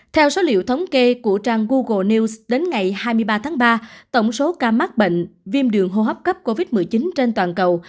theo số liệu thống kê của trang google news đến ngày hai mươi ba tháng ba tổng số ca mắc bệnh viêm đường hô hấp cấp covid một mươi chín trên toàn cầu